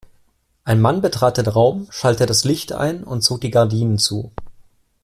Ein Mann betrat den Raum, schaltete das Licht ein und zog die Gardinen zu.